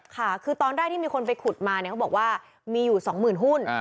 ค่ะคือตอนแรกที่มีคนไปขุดมาเนี่ยเขาบอกว่ามีอยู่๒๐๐๐หุ้น